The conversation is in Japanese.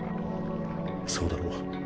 そうだろ？